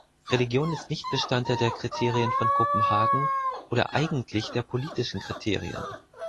Religion ist nicht Bestandteil der Kriterien von Kopenhagen oder eigentlich der politischen Kriterien.